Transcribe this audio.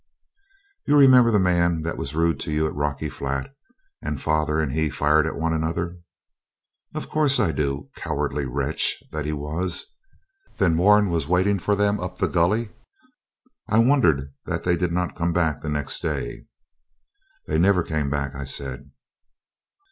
'You remember the man that was rude to you at Rocky Flat, and father and he fired at one another?' 'Of course I do, cowardly wretch that he was. Then Moran was waiting for them up the gully? I wondered that they did not come back next day.' 'They never came back,' I said.